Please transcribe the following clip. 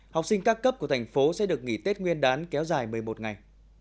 học sinh các cấp của thành phố sẽ được nghỉ tết nguyên đán kéo dài một mươi một ngày